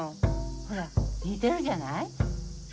ほら似てるじゃない？